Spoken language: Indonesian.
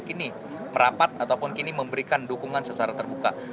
kini merapat ataupun kini memberikan dukungan secara terbuka